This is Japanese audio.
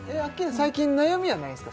最近悩みはないんすか？